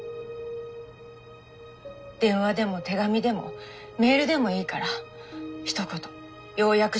電話でも手紙でもメールでもいいからひと言「ようやく出所します」と